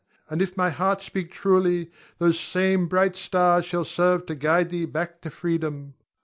And if my heart speak truly, those same bright stars shall serve to guide thee back to freedom.